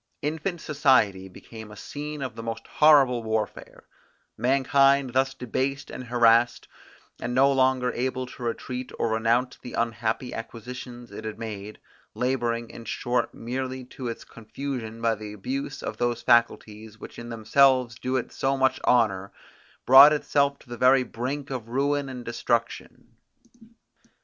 Infant society became a scene of the most horrible warfare: Mankind thus debased and harassed, and no longer able to retreat, or renounce the unhappy acquisitions it had made; labouring, in short merely to its confusion by the abuse of those faculties, which in themselves do it so much honour, brought itself to the very brink of ruin and destruction.